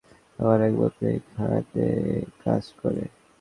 এত মুগ্ধ হওয়ার দরকার নেই, আমার এক বন্ধু এখানে কাজ করে।